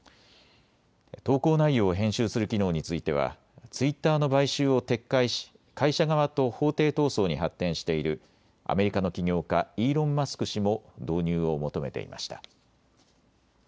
投稿内容を編集する機能についてはツイッターの買収を撤回し会社側と法廷闘争に発展しているアメリカの起業家、イーロン・マスク氏も導入を求めていました。